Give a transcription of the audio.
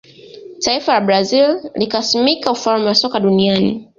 taifa la brazil likasimika ufalme wa soka duniani